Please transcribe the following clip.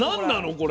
これ。